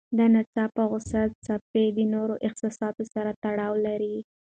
د ناڅاپه غوسې څپې د نورو احساساتو سره تړاو لري.